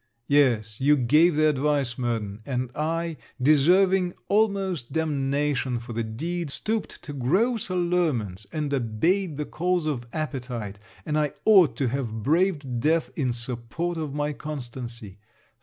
Yes, you gave the advice, Murden; and I, deserving almost damnation for the deed, stooped to gross allurements, and obeyed the calls of appetite, and I ought to have braved death in support of my constancy.